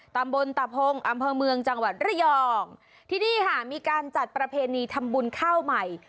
ตำบลตะพงอำเภอเมืองจังหวัดระยองที่นี่ค่ะมีการจัดประเพณีทำบุญข้าวใหม่